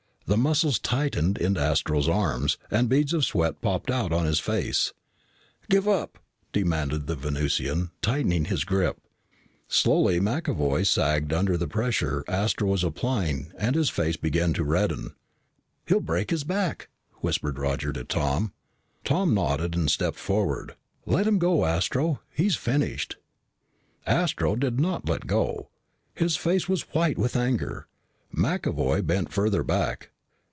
The muscles tightened in Astro's arms, and beads of sweat popped out on his face. "Give up!" demanded the Venusian, tightening his grip. [Illustration: Tom shot a hard right to his opponent's stomach] Slowly McAvoy sagged under the pressure Astro was applying and his face began to redden. "He'll break his back," whispered Roger to Tom. Tom nodded and stepped forward. "Let him go, Astro. He's finished." Astro did not let go. His face was white with anger. McAvoy bent further back.